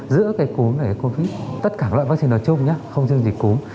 giữa cái cúng và cái covid một mươi chín tất cả loại bác sĩ nói chung nhé không dừng gì cúng